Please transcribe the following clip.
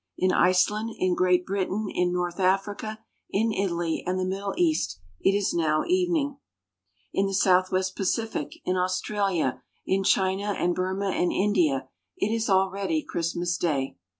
In Iceland, in Great Britain, in North Africa, in Italy and the Middle East, it is now evening. In the Southwest Pacific, in Australia, in China and Burma and India, it is already Christmas Day.